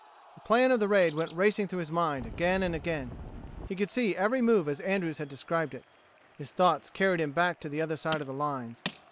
The plan of the raid went racing through his mind again and again; he could see every move as Andrews had described it. His thoughts carried him back to the other side of the lines.